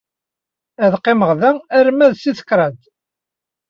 Ad qqimeɣ da arma d tis kraḍt.